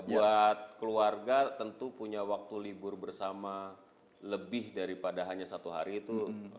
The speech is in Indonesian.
buat keluarga tentu punya waktu libur bersama lebih daripada hanya satu hari itu